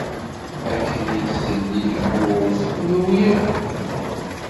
Akken i d-telli tewwurt, rewlen.